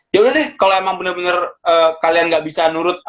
ya udah deh kalau emang bener bener kalian gak bisa nurut